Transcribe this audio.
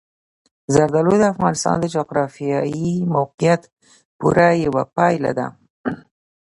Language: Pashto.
زردالو د افغانستان د جغرافیایي موقیعت پوره یوه پایله ده.